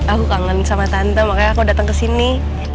aku kangen sama tante makanya aku datang kesini